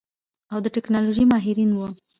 او د ټيکنالوژۍ ماهرين وو.